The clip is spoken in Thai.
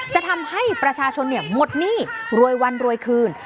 จะทำให้ประชาชนหมดหนี้รวยวันรวยคืน